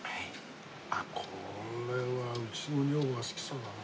これはうちの女房が好きそうだな。